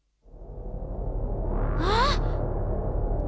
あっ！